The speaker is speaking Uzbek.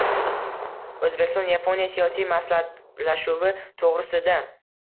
O‘zbekiston – Yaponiya siyosiy maslahatlashuvi to‘g‘risida